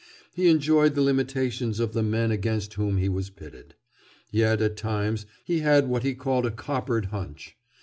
He enjoyed the limitations of the men against whom he was pitted. Yet at times he had what he called a "coppered hunch."